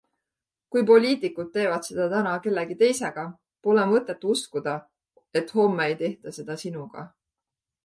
Kui poliitikud teevad seda täna kellegi teisega, pole mõtet uskuda, et homme ei tehta seda sinuga.